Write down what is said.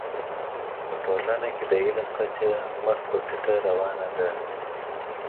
په ټولنه کي د علم کچه مخ پر ټيټه روانه ده.